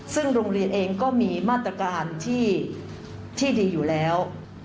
ซึ่งโรงเรียนเองก็มีมาตรการที่ดีอยู่แล้ว